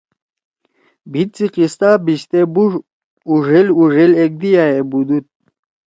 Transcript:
بھیِت سی قصہ بھیشتے بُوڑ اوڙھیل اوڙھیل ایک دیا ئے بُودُود۔